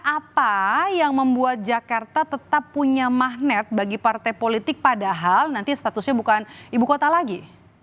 apa yang membuat jakarta tetap punya magnet bagi partai politik padahal nanti statusnya bukan ibu kota lagi